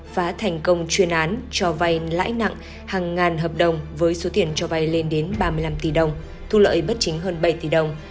phá thành công chuyên án cho vay lãi nặng hàng ngàn hợp đồng với số tiền cho vay lên đến ba mươi năm tỷ đồng thu lợi bất chính hơn bảy tỷ đồng